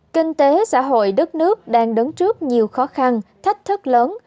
kinh tế xã hội đất nước đang đứng trước nhiều khó khăn thách thức lớn